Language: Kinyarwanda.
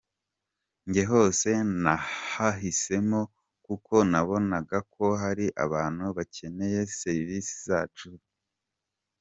Njye hose nahahisemo kuko nabonaga ko hari abantu bakeneye Serivisi nziza zacu.